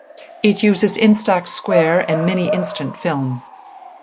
It uses Instax Square and Mini instant film.